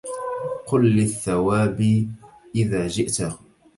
قل للثوابي إذا جئته